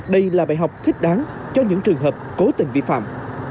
đây là bài học thích đáng cho những trường hợp cố tình vi phạm